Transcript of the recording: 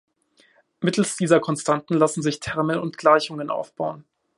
Mittels dieser Konstanten lassen sich Terme und Gleichungen aufbauen.